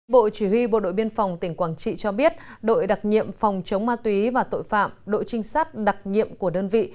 bộ chỉ huy bộ đội biên phòng tỉnh quảng trị cho biết đội đặc nhiệm phòng chống ma túy và tội phạm đội trinh sát đặc nhiệm của đơn vị